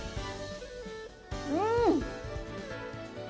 うん！